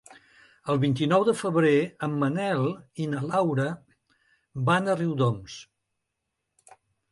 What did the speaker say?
El vint-i-nou de febrer en Manel i na Laura van a Riudoms.